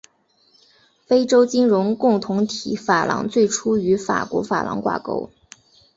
非洲金融共同体法郎最初与法国法郎挂钩。